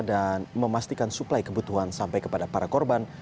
dan memastikan suplai kebutuhan sampai kepada para korban